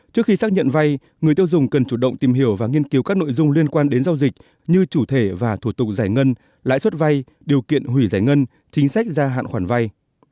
trước khi xác nhận vay người tiêu dùng cần chủ động tìm hiểu và nghiên cứu các nội dung liên quan đến giao dịch như chủ thể và thủ tục giải ngân lãi suất vay điều kiện hủy giải ngân chính sách gia hạn khoản vay